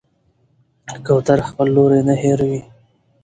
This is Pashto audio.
کوتره خپل لوری نه هېروي.